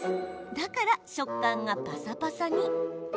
だから食感がパサパサに。